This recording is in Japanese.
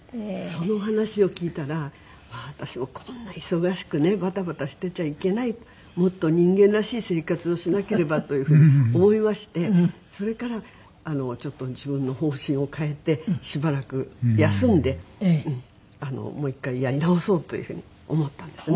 その話を聞いたら私もこんな忙しくねバタバタしてちゃいけないもっと人間らしい生活をしなければという風に思いましてそれからちょっと自分の方針を変えてしばらく休んでもう１回やり直そうという風に思ったんですね。